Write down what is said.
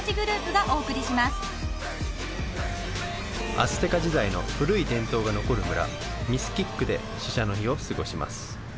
アステカ時代の古い伝統が残る村ミスキックで死者の日を過ごします